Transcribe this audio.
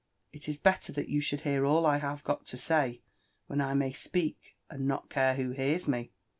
" It is belter that you should hear all I have got to say when I may speak and not care who hears me.